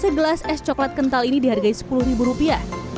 se gelas es coklat kental ini dihargai sepuluh rupiah